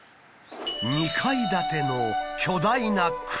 ２階建ての巨大な蔵。